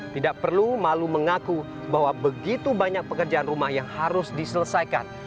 tidak perlu malu mengaku bahwa begitu banyak pekerjaan rumah yang harus diselesaikan